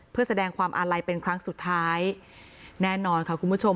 เพื่อแสดงความอาลัยเป็นครั้งสุดท้ายแน่นอนค่ะคุณผู้ชม